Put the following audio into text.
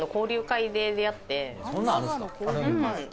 そんなんあるんですか？